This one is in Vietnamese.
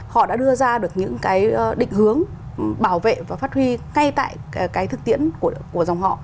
họ đã đưa ra được những cái định hướng bảo vệ và phát huy ngay tại cái thực tiễn của dòng họ